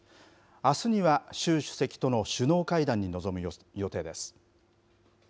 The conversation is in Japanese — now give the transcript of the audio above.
あすには習主席との首脳会談に臨む予定です。